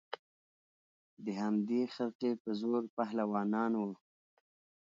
د همدې خرقې په زور پهلوانان وه